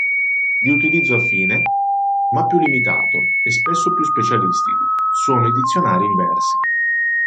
Di utilizzo affine, ma più limitato, e spesso più specialistico, sono i dizionari inversi.